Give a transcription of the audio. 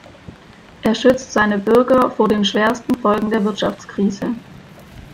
Er schützt seine Bürger vor den schwersten Folgen der Wirtschaftskrise.